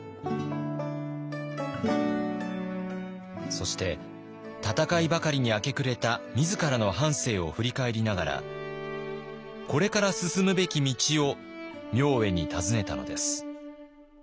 そして戦いばかりに明け暮れた自らの半生を振り返りながらこれから進むべき道を明恵に尋ねたのです。